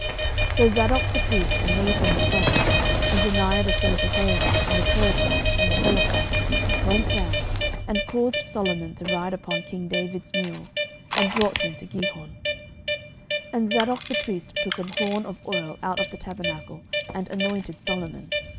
11:001:038 So Zadok the priest, and Nathan the prophet, and Benaiah the son of Jehoiada, and the Cherethites, and the Pelethites, went down, and caused Solomon to ride upon king David's mule, and brought him to Gihon. 11:001:039 And Zadok the priest took an horn of oil out of the tabernacle, and anointed Solomon.